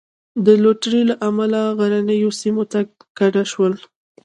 د لوټرۍ له امله غرنیو سیمو ته کډه شول.